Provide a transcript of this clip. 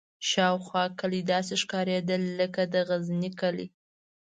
شاوخوا کلي داسې ښکارېدل لکه د غزني کلي.